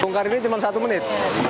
bongkar ini cuma satu menit